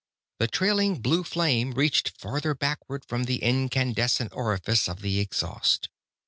The trailing blue flame reached farther backward from the incandescent orifice of the exhaust.